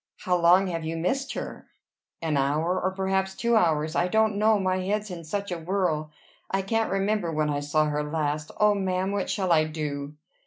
"How long have you missed her?" "An hour. Or perhaps two hours. I don't know, my head's in such a whirl. I can't remember when I saw her last. O ma'am! What shall I do?"